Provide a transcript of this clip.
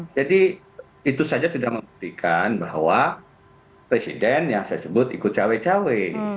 jadi itu saja sudah membuktikan bahwa presiden yang saya sebut ikut cawe cawe